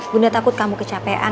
bunda takut kamu kecapean